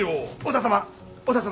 織田様。